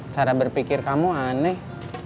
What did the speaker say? cara berpikir kamu aneh